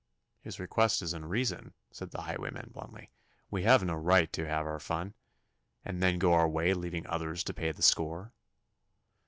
'His request is in reason,' said the highwayman bluntly. 'We have no right to have our fun, and then go our way leaving others to pay the score.